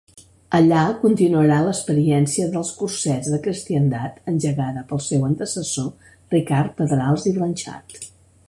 Allà continuarà l'experiència dels Cursets de Cristiandat engegada pel seu antecessor Ricard Pedrals i Blanxart.